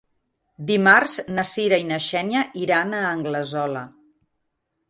Dimarts na Cira i na Xènia iran a Anglesola.